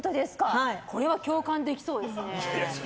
これは共感できそうですね。